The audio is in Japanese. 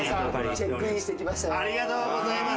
ありがとうございます。